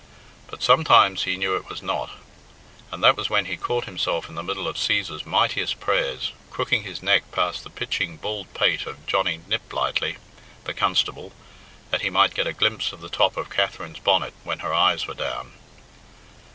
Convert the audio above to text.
But sometimes he knew it was not; and that was when he caught himself in the middle of Cæsar's mightiest prayers crooking his neck past the pitching bald pate of Johnny Niplightly, the constable, that he might get a glimpse of the top of Katherine's bonnet when her eyes were down.